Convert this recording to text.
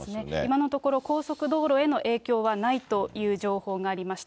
今のところ高速道路への影響はないという情報がありました。